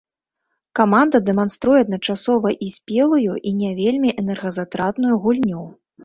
Каманда дэманструе адначасова і спелую, і не вельмі энергазатратную гульню.